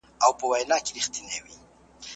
که کلتور هېر سي ټولنه به زيان وويني.